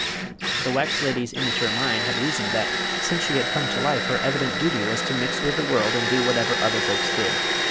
The wax lady's immature mind had reasoned that, since she had come to life, her evident duty was to mix with the world and do whatever other folks did.